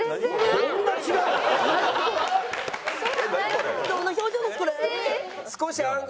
どんな表情です？